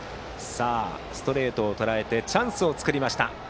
ストレートをとらえてチャンスを作りました。